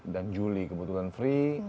dan juli kebetulan free